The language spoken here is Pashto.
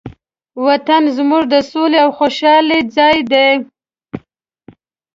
وطن زموږ د سولې او خوشحالۍ ځای دی.